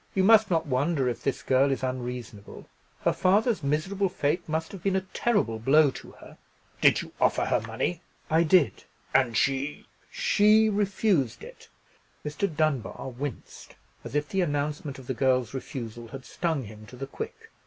You must not wonder if this girl is unreasonable. Her father's miserable fate must have been a terrible blow to her." "Did you offer her money?" "I did." "And she——" "She refused it." Mr. Dunbar winced, as if the announcement of the girl's refusal had stung him to the quick.